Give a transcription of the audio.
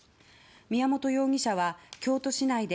宮本容疑者は、京都市内で